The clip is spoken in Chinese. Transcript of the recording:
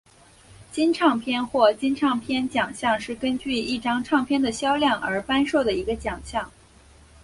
金唱片或金唱片奖项是根据一张唱片的销量而颁授的一个奖项。